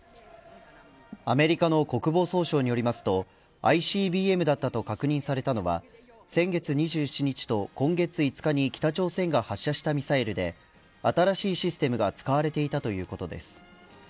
アメリカの国防総省によりますとＩＣＢＭだったと確認されたのは先月２７日と今月５日に北朝鮮が発射したミサイルで新しいシステムが使われていたということです。